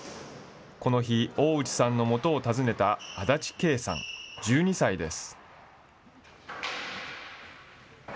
この日、大内さんのもとを訪ねた足立啓さん１２歳です。